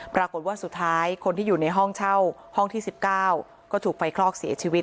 ปรากฏว่าสุดท้ายคนที่อยู่ในห้องเช่าห้องที่๑๙ก็ถูกไฟคลอกเสียชีวิต